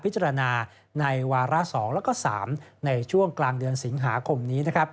พิจารณาในวาระ๒แล้วก็๓ในช่วงกลางเดือนสิงหาคมนี้